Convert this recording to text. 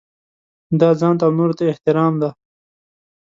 دا ځانته او نورو ته احترام دی.